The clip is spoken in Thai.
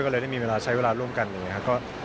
ก็เลยได้มีเวลาใช้เวลาร่วมกันอย่างนี้ครับ